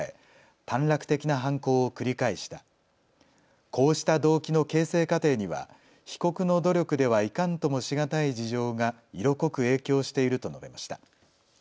短絡的な犯行を繰り返した、こうした動機の形成過程には被告の努力ではいかんともし難い事情が色濃く影響していると述べました。